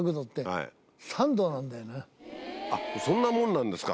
そんなもんなんですか。